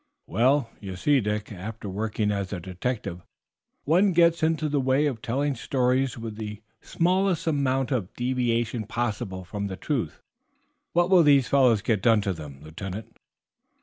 "Well, you see, Dick, after working as a detective, one gets into the way of telling stories with the smallest amount of deviation possible from the truth. What will these fellows get done to them, Lieutenant?"